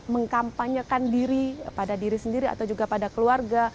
mengkampanyekan diri pada diri sendiri atau juga pada keluarga